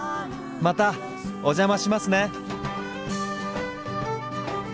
またお邪魔しますね。